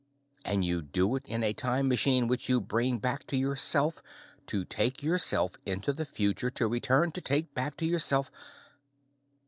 And you do it in a time machine which you bring back to yourself to take yourself into the future to return to take back to yourself....